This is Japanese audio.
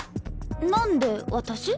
何で私？